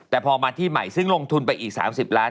แต่พอมาที่ใหม่ซึ่งลงทุนไปอีก๓๐ล้าน